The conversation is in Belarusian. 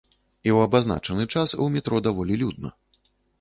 І ў абазначаны час у метро даволі людна.